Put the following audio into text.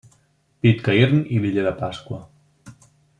Pitcairn i l'illa de Pasqua.